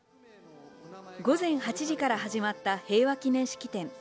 午前８時から始まった平和記念式典。